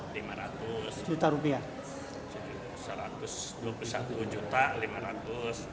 beliau menginginkan rp tujuh ratus lima puluh